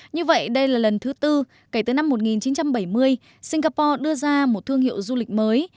như vậy đây là lần thứ tư kể từ năm một nghìn chín trăm bảy mươi singapore đưa ra một thương hiệu du lịch mới